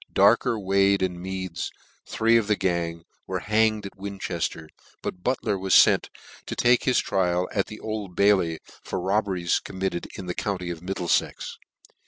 Darker, Wade, and Meads, three of the gang, were hanged at Winchefter : but Butler was fent to take his trial at the Old Bailey, for robberies committed in the county of Middleiex.